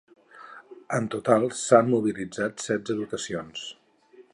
En total s’han mobilitzat setze dotacions.